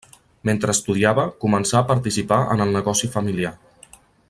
Mentre estudiava, començà a participar en el negoci familiar.